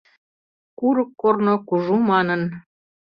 Курык корно кужу манын